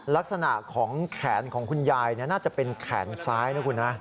ลักษณะของแขนของคุณยายน่าจะเป็นแขนซ้ายนะคุณนะ